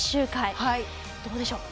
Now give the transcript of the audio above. どうでしょう？